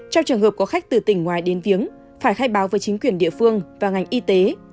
trong trường hợp có khách từ tỉnh ngoài đến viếng phải khai báo với chính quyền địa phương và ngành y tế